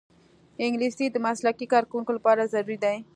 انګلیسي د مسلکي کارکوونکو لپاره ضروري ده